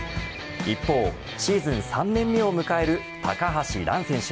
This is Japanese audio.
一方、シーズン３年目を迎える高橋藍選手。